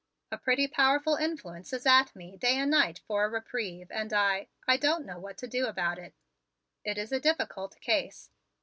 A pretty powerful influence is at me day and night for a reprieve and I I don't know what to do about it. It is a difficult case.